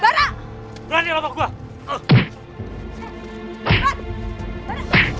beranilah lo buat gue